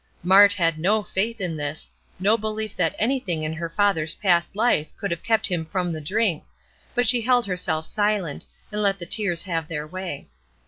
Mart had no faith in this, no belief that anything in her father's past life could have kept him from the drink; but she held herself silent, and let the tears have their way.